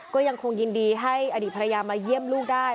ก็ยังคงยินดีให้อดีตภรรยามาเยี่ยมลูกได้